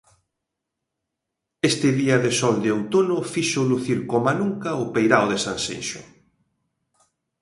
Este día de sol de outono fixo lucir coma nunca o peirao de Sanxenxo.